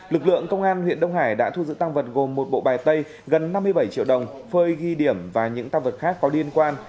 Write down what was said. lực lượng công an huyện đông hải đã thu giữ tăng vật gồm một bộ bài tay gần năm mươi bảy triệu đồng phơi ghi điểm và những tăng vật khác có liên quan